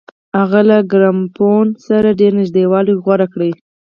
هغه له ګرامافون سره ډېر نږدېوالی غوره کړ.